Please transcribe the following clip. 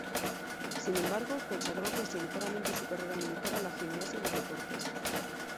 Sin embargo consagró casi enteramente su carrera militar a la gimnasia y los deportes.